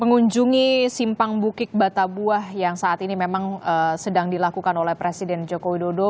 mengunjungi simpang bukit batabuah yang saat ini memang sedang dilakukan oleh presiden joko widodo